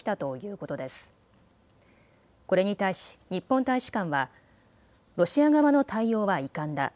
これに対し日本大使館はロシア側の対応は遺憾だ。